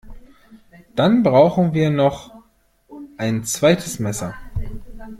Dann brauchen wir noch ein zweites Messer